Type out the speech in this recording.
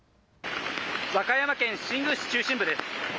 和歌山県新宮市中心部です。